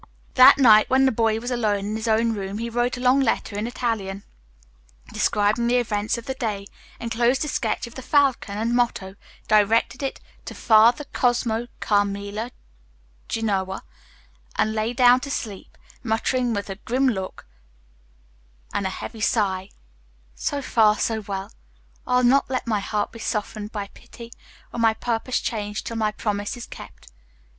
That night, when the boy was alone in his own room, he wrote a long letter in Italian describing the events of the day, enclosed a sketch of the falcon and motto, directed it to "Father Cosmo Carmela, Genoa," and lay down to sleep, muttering, with a grim look and a heavy sigh, "So far so well; I'll not let my heart be softened by pity, or my purpose change till my promise is kept.